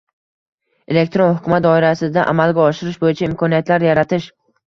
elektron hukumat doirasida amalga oshirish bo‘yicha imkoniyatlar yaratish;